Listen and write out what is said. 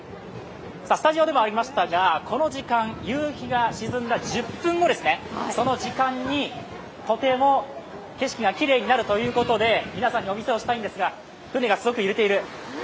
スタジオにもありましたが、この時間、夕日が沈んだ１０分後、その時間に、とても景色がきれいになるということで皆さんにお見せしたいんですが、船がすごく揺れている。